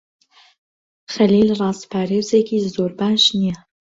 خەلیل ڕازپارێزێکی زۆر باش نییە.